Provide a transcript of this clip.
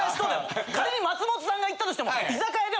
仮に松本さんが言ったとしても。